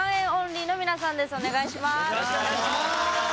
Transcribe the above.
お願いします！